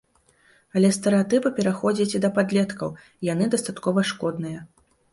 Але стэрэатыпы пераходзяць і да падлеткаў, і яны дастаткова шкодныя.